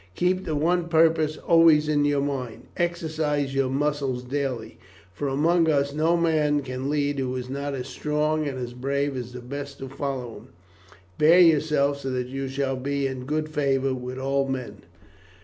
Keep the one purpose always in your mind. Exercise your muscles daily, for among us no man can lead who is not as strong and as brave as the best who follow him. Bear yourself so that you shall be in good favour with all men."